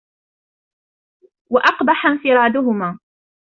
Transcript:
وَأَقْبَحَ انْفِرَادَهُمَا